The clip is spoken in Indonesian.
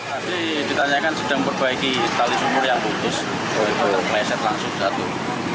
tadi ditanyakan sedang memperbaiki tali sumur yang putus meleset langsung jatuh